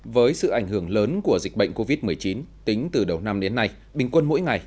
với sự ảnh hưởng lớn của dịch bệnh covid một mươi chín tính từ đầu năm đến nay bình quân mỗi ngày